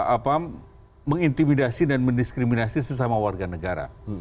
apa mengintimidasi dan mendiskriminasi sesama warga negara